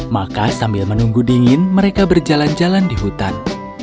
maka sambil menunggu dingin mereka berjalan jalan di hutan